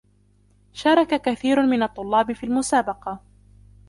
شارك كثير من الطلاب في المسابقة.